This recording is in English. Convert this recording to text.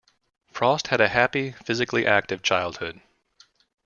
Frost had a happy, physically active childhood.